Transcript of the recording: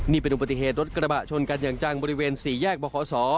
นี่เป็นอุบัติเหตุรถกระบะชนกันอย่างจังบริเวณ๔แยกบขศ